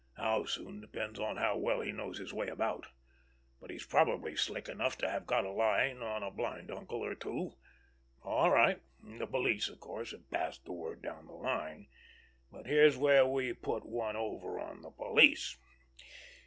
How soon depends on how well he knows his way about. But he's probably slick enough to have got a line on a blind uncle or two. All right! The police, of course, have passed the word down the line, but here's where we put one over on the police.